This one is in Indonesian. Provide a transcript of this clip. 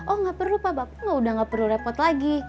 oh nggak perlu pak bapak udah gak perlu repot lagi